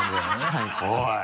はい。